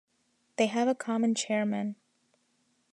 They have a common chairman.